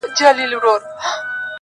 ستا د ښکلا په تصور کي یې تصویر ویده دی~